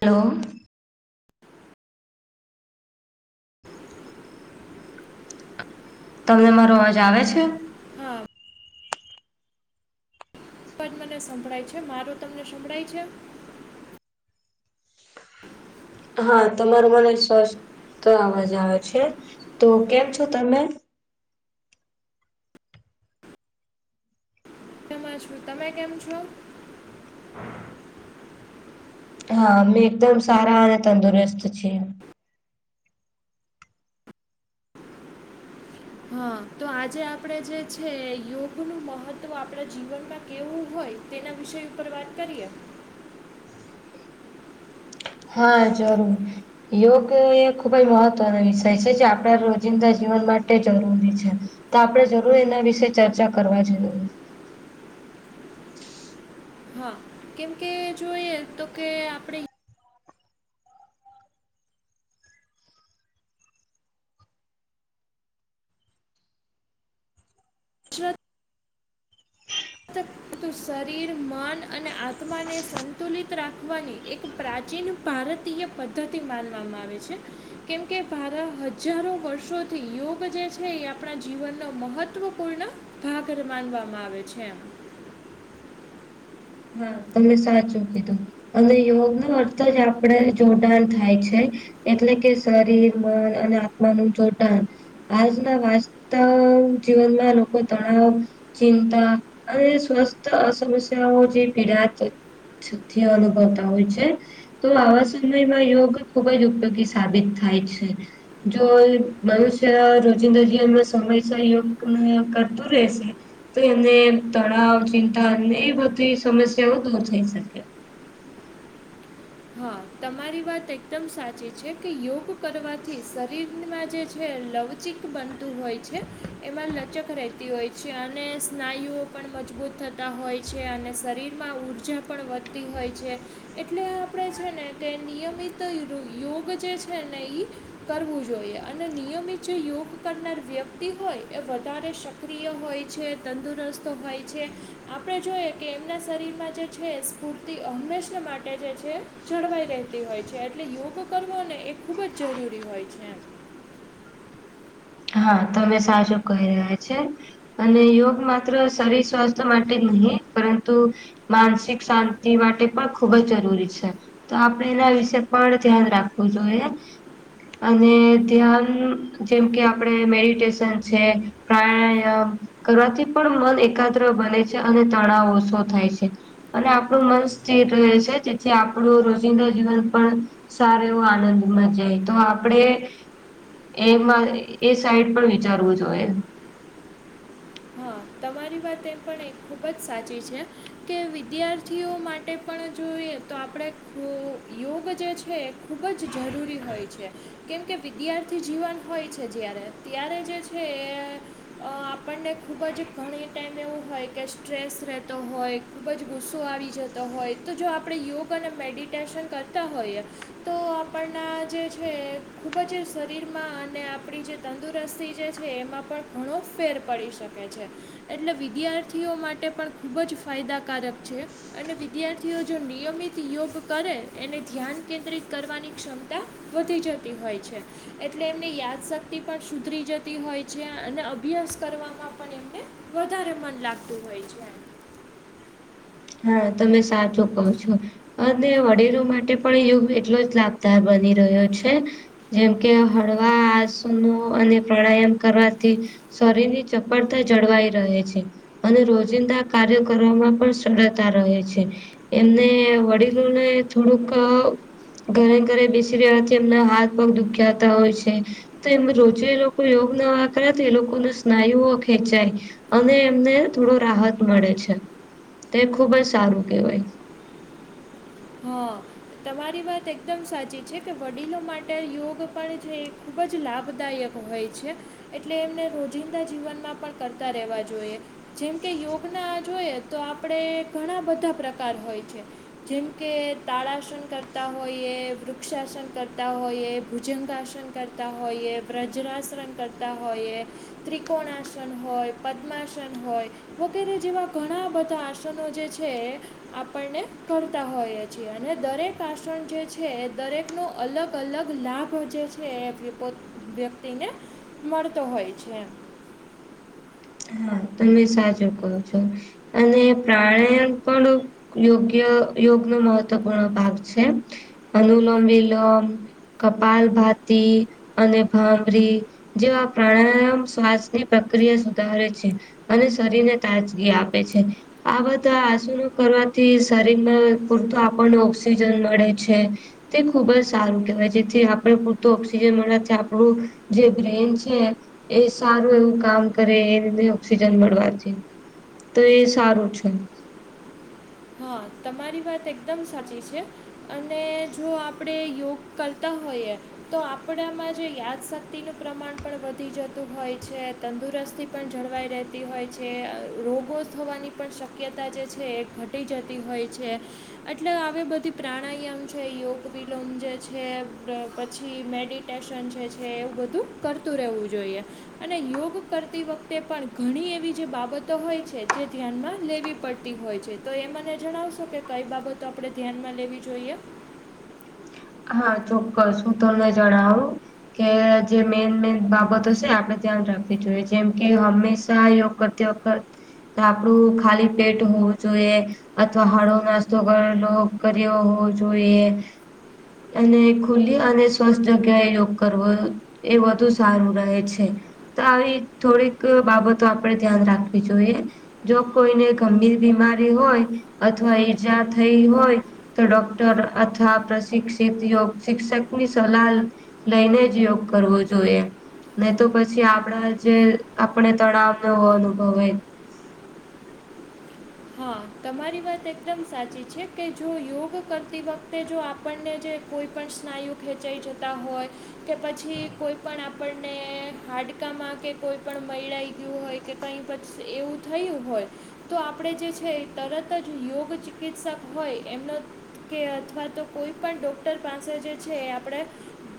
Hello. તમને મારો અવાજ આવે છે. હા. પણ મને સંભળાય છે મારો તમને સંભળાય છે. હા તમારો મને સ્વસ્થ અવાજ આવે છે તો કેમ છો તમે? મજામાં છું તમે કેમ છો? હા મે એકદમ સારા અને તંદુરસ્ત છીએ. હા તો આજે આપણે જે છે યોગનું મહત્ત્વ આપણા જીવનમાં કેવું હોય. તેના વિષય ઉપર વાત કરીએ. હા જરૂર. યોગ એ ખૂબ જ મહત્વનો વિષય છે જે આપડા રોજિંદા જીવન માટે જરૂરી છે. તો આપડે જરૂર એના વિશે ચર્ચા કરવા જોઈએ. હા, કેમકે જો એ તો કે આપડે [unintelligible] ત તું શરીર મન અને આત્માને સંતુલિત રાખવાની એક પ્રાચીન ભારતીય પદ્ધતિ માનવામાં આવે છે. કેમકે ભારા હજારો વર્ષોથી યોગ જે છે એ આપડા જીવનનો મહત્વપૂર્ણ ઘાઘર માનવામાં આવે છે. હા તમને સાચું કીધું. અને યોગનો અર્થ જ આપડે જોડાણ થાય છે. એટલે કે શરીર મન અને આત્માનું જોડાન. આજના વાસ્તવ જીવનમાં લોકો તણાવ ચિંતા અને સ્વસ્થ અહ સમસ્યાઓ જે પીડા તે સથી અનુભવતા હોય છે. તો આવા સમયમાં યોગ ખુબ જ ઉપયોગી સાબિત થાય છે. જો મનુષ્ય રોજિંદાજીવનમાં સમયસ યોગ ના કરતું રેહશે તો એમને તણાવ ચિંતા અને એ બધી સમસ્યાઓ દૂર થઈ શકે. હા, તમારી વાત એકદમ સાચી છે કે યોગ કરવાથી શરીરમાં જે છે લવચી બનતું હોય છે. એમાં લચક રહેતી હોય છે અને સ્નાયુઓ પણ મજબૂત થતા હોય છે અને શરીરમાં ઊર્જા પણ વધતી હોય છે એટલે આ આપડે છે ને તે નિયમિત યુ યોગ જે છે ને ઈ કરવું જોઈએ અને નિયમિત જે યોગ કરનાર વ્યક્તિ હોય એ વધારે શ ક્રિયા હોય છે, તંદુરસ્ત હોય છે આપડે જોઈએ કે એમના શરીરમાં જે છે સ્ફૂર્તિ હંમેશા માટે જે છે જળવાઈ રહેતી હોય છે એટલે યોગ કરવો ને એ ખૂબ જ જરૂરી હોય છે. હા, તમે સાચું કહી રહ્યા છે. અને યોગ માત્ર શરીર સ્વાસ્થ્ય માટે જ નહીં પરંતુ માનસિક શાંતિ માટે પણ ખુબ જ જરૂરી છે. તો આપડે એના વિશે પણ ધ્યાન રાખવું જોએ. અને ધ્યાન જેમ કે આપ આપડે મેડિટેશન છે પ્રાણાયામ કરવાથી પણ મન એકાગ્ર બને છે અને તણાવ ઓછો થાય છે. અને આપડું મન સ્થિર રહે છે જેથી આપડું રોજિંદા જીવન પણ સારો એવો આનંદમાં જાય તો આપડે એમાં એ એ સાઈડ પર વિચારવું જોએ. હા, તમારી વાત એ પણ એક ખૂબ જ સાચી છે. કે વિદ્યાર્થીઓ માટે પણ જોઈએ તો આપડે યો યોગ જે છે ખૂબ જ જરૂરી હોય છે. કેમકે વિદ્યાર્થી જીવન હોય છે જ્યારે ત્યારે જે છે એ અહ આપણને ખૂબ જ ઘણી ટાઈમ એવું હોય કે સ્ટ્રેસ રહેતો હોય ખૂબ જ ગુસ્સો આવી જ તો હોય તો જો આપડે યોગ અને મેડિટેશન કરતા હોઈએ તો આપણના જે છે ખૂબ જ શરીરમાં અને આપડી જે તંદુરસ્તી જે છે એમાં પણ ઘણો ફેર પડી શકે છે. એટલે વિદ્યાર્થીઓ માટે પણ ખૂબ જ ફાયદાકારક છે. અને વિદ્યાર્થીઓ જો નિયમિત યોગ કરે એને ધ્યાન કેન્દ્રિત કરવાની ક્ષમતા વધી જતી હોય છે. એટલે એમની યાદશક્તિ પણ સુધરી જતી હોય છે, અને અભ્યાસ કરવામાં પણ એમને વધારે મન લાગતું હોય છે. હા તમે સાચું કહો છો. અને વડીલો માટે પણ યોગ એટલો જ લાભદાર બની રહ્યો છે. જેમ કે હળવા આસનો અને પ્રાણાયામ કરવાથી. શરીરની ચપળતા જળવાઈ રહે છે. અને રોજિંદા કાર્યો કરવામાં પણ સરળતા રહે છે. એમને વડીલોને થોડુંક ઘરે ઘરે બેસી રહેવાથી એમના હાથ બહુ દુખ્યાતા હોય છે. તો એમ રોજે એ લોકો યોગ નવા કરે તો એ લોકોને સ્નાયુઓ ખેંચાય. અને એમને થોડો રાહત મળે છે. તે ખુબ જ સારું કહેવાય. હહ તમારી વાત એકદમ સાચી છે કે વડીલો માટે યોગ પણ જે ખૂબ જ લાભદાયક હોય છે. એટલે એમને રોજિંદા જીવનમાં પણ કરતા રહેવા જોઈએ. જેમ કે યોગના આ જોઈએ તો આપડે ઘણા બધા પ્રકાર હોય છે. જેમ કે તાળાસન કરતા હોઈએ, વૃક્ષાસન કરતા હોઈએ, ભુજંગાસન કર તા હોઈએ, વજ્રાસન કરતા હોઈએ. ત્રિકોણાસન હોય, પદ્માસન હોય. વગેરે જેવા ઘણા બધા આસનો જે છે એ આપણને કર તા હોઈએ છીએ. અને દરેક આસન જે છે એ દરેકનો અલગ અલગ લાભ જે છે એ પોત વ્યક્તિને મળતો હોય છે એમ. હા તમે સાચું કહો છો. અને પ્રાણાયામ પણ યોગ્ય યોગનો મહત્વપૂર્ણ ભાગ છે. અનુલોમ વિલોમ કપાલભાતી. અને ભાભરી જેવા પ્રાણાયામ શ્વાસની પ્રક્રિયા સુધારે છે. અને શરીરને તાજગી આપે છે. આ બધા આસનો કરવાથી શરીરને પૂરતુ આપણને ઓક્સિજન મળે છે. તે ખુબ જ સારું કહેવાય. જેથી આપણે પૂરતું ઓક્સિજન મળે તે આપણું જે બ્રેન છે એ એ સારું એવું કામ કરે એ રીતે ઓક્સિજન મળવાથી. તો એ સારું છે એમ. હા તમારી વાત એકદમ સાચી છે. અને જો આપણે યોગ કરતા હોઈએ. તો આપણામાં જે યાદશક્તિનું પ્રમાણ પણ વધી જતું હોય છે. તંદુરસ્તી પણ જળવાઈ રહેતી હોય છે. રોગો થવાની પણ શક્યતા જે છે એ ઘટ ટી જતી હોય છે. એટલે આવી બધી પ્રાણાયામ છે, યોગ વિલોબ જે છે, પછી મેડી ટેશન છે છે એવું બધું કરતું રહેવું જોઈએ. અને યોગ કરતી વખતે પણ ઘણી એવી જે બાબતો હોય છે જે ધ્યાનમાં લેવી પડ તી હોય છે. તો એ મને જણાવશો કે કઈ બાબતો આપણે ધ્યાનમાં લેવી જોઈએ? હા ચોક્કસ હું તમને જણાવું. કે જે મેન મેન બાબતો છે આપડે ધ્યાન રાખવી જોઈએ. જેમ કે હંમેશા યોગ કર [unintelligible] તો આપડું ખાલી પેટ હોવું જોઈએ, અથવા હળવો નાસ્તો કરે લો. કર્યો હોવો જોઈએ. અને ખુલી અને સ્વસ્થ જગ્યાએ યોગ કરવો. એ વધુ સારું રહે છે. તો આવી થોડીક બાબતો આપણેે ધ્યાન રાખવી જોઈએ. જો કોઈને ગંભીર બીમારી હોય, અથવા ઈજા થઈ હોય. તો ડોક્ટર અથવા પ્રશિક્ષ તેથી યોગ શિક્ષક ની સલાહ લઈને, જ યોગ કરવો જોઈએ. નઈ તો પછી આપણા જે તણાવ ન અનુભવે. હા, તમારી વાત એકદમ સાચી છે કે, જો યોગ કરતી વખતે જો આપણને જે કોઈપણ સ્નાયુ ખેંચાઈ જતા હોય કે, પછી કોઈપણ આપણને હાડકામાં કે કોઈ પણ મિડાઈ ગયું હોય કે, કઈ પછી એવું થયું હોય. તો આપણે જે છે, તરત જ યોગ ચિકિત્સક હોય એમનો. કે અથવા તો કોઈ પણ ડોક્ટર પાસે જે છે, એ આપણે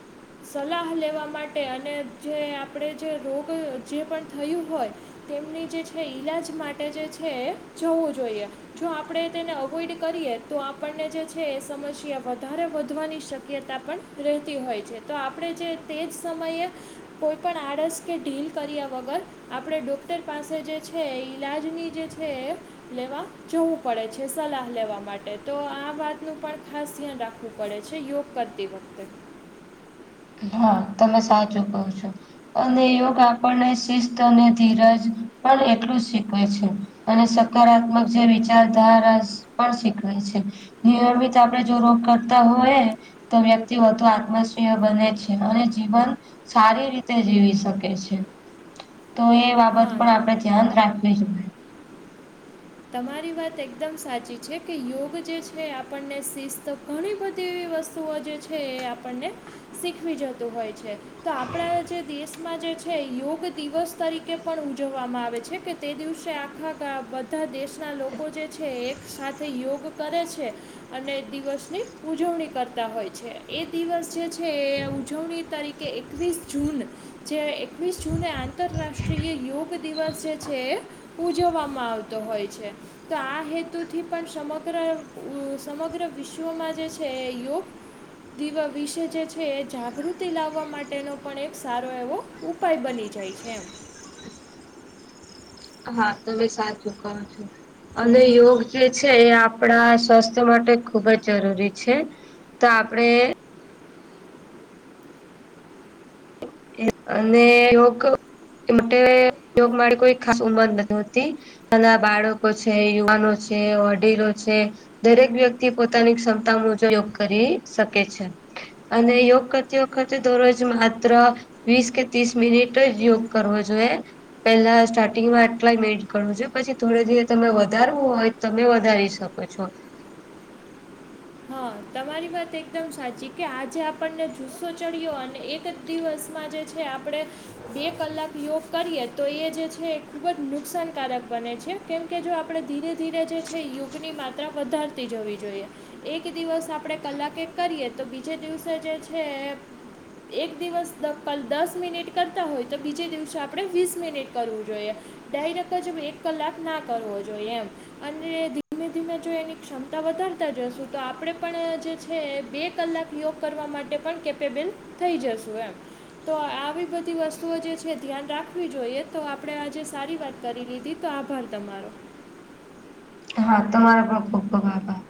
[unintelligible] સલાહ લેવા માટે, અને જે આપણે જે રોગ જે પણ થયું હોય. તેમની જે છે, ઈલાજ માટે જે છે, જવું જોઈએ. જો આપણે તેને અવોઈડ કરીએ તો, આપણને જે છે, એ સમસ્યા વધારે વધવાની શક્યતા પણ રહેતી હોય છે તો, આપણે જે તે જ સમયે કોઈપણ આડસ કે ઢીલ કર્યા વગર આપણે ડોક્ટર પાસે જે છે, ઈલાજની જે છે. લેવા જોવું પડે છે, સલાહ લેવા માટે તો આ વાતનું પણ ખાસ ધ્યાન રાખ રાખવું પડે છે, યોગ કરતી વખતે. હા, તમે સાચું કહો છો. અને યોગ આપણને શિસ્ત અને ધીરજ પણ એટલું જ શીખવે છે. અને સકારાત્મક જે વિચારધારા પણ શીખવે છે. નિયમિત આપણે જો રોગ કરતા હોય તો, વ્યક્તિ વધુ આત્મશ્રીય. બને છે, અને જીવન સારી જીવી શકે છે. તો એ બાબત હા પણ આપડે ધ્યાન રાખવી જોઈએ. તમારી વાત એકદમ સાચી છે, કે યોગ જે છે, આપણને શિસ્ત ઘણી બધી એવી વસ્તુઓ જે છે, એ આપણને શીખવી જતું હોય છે. તો આપડા જે દેશ. માં જે છે યોગ દિવસ તરીકે પણ ઉજવવામાં આવે છે કે, તે દિવસે આખા ધા દેશના લોકો જે છે, એક સાથે યોગ કરે છે. અને દિવસની ઉજવણી કરતા હોય છે, એ દિવસ જે છે, એ ઉજવણી તરીકે કે એકવીસ જૂન જે એકવીસ જૂને આંતરરાષ્ટ્રીય યોગ દિવસ જે છે, એ ઉજવવામાં આવતો હોય છે. તો આ હેતુથી પણ સમગ્ર ઉ સમગ્ર વિશ્વમાં જે છે યોગ દિવ વિશે જે છે, એ જાગૃતિ લાવવા માટેનો પણ એક સારો એવો ઉપાય બની જાય છે, એમ. હા, તમે સાચું કહો છો. અને યોગ જે છે, એ આપણા સ્વાસ્થ્ય માટે ખુબ જ જરૂરી છે. તો આપડે અને યોગ એ માટે યોગ માટે કોઈ ખાસ ઉંમર નથી હોતી. નાના બાળકો છે, યુવાનો છે, વડીલો છે. દરેક વ્યક્તિ પોતાની ક્ષમતા મુજબ યોગ કરી શકે છે. અને યોગ કરતી વખતે દરરોજ માત્ર વીસ કે તીસ મિનિટ જ યોગ કરવો જોઈએ. પેલા સ્ટાર્ટિંગ માં આટલા જ મિનીટ કરવું જોઈએ, પછી થોડે ધીરે તમે વધારવું હોય તમે વધારી શકો છો. હા, તમારી વાત એકદમ સાચી, કે આજે આપણને જુસ્સો ચડ્યો અને એક જ દિવસમાં જે છે, આપણે બે કલાક યોગ કરીએ, તો એ જે છે, એ ખૂબ જ નુકસાનકારક બને છે, કેમ કે જો આપણે ધીરે ધીરે જે છે યોગ યોગની માત્રા વધારતી જવી જોઈએ. એક દિવસ આપણે કલાક એક કરીએ, તો બીજે દિવસે જે છે, એ એક દિવસ દ- પ, દસ મિનિટ કરતા હોય તો, બીજે દિવસે આપણે વીસ મિનિટ કરવું જોઈએ. ડાયરેક્ટ જ એક કલાક ના કરવો જોઈએ એમ અને ધીમે-ધીમે જો એની ક્ષમતા વધારતા જશો તો આપણે પણ જે છે, બે કલાક યોગ કરવા માટે પણ કેપેબલ થઈ જશુ એમ તો આવી બધી વસ્તુઓ જે છે, ધ્યાન રાખવી જોઈએ, તો આપડે આજે સારી વાત કરી લીધી, તો આભાર તમારો હા, તમારો પણ ખુબ-ખૂબ આભાર.